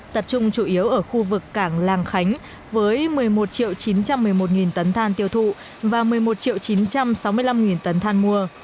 tập trung chủ yếu ở khu vực cảng làng khánh với một mươi một chín trăm một mươi một tấn than tiêu thụ và một mươi một chín trăm sáu mươi năm tấn than mua